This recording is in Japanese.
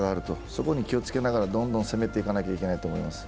そこに気をつけながらどんどん攻めていかなければいけないと思います。